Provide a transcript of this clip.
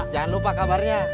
jangan lupa kabarnya